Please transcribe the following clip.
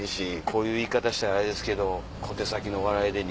こういう言い方したらあれですけど。